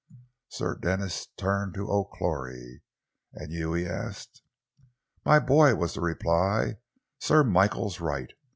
Sir Denis turned to the O'Clory. "And you?" he asked. "My boy," was the reply, "sure Michael's right.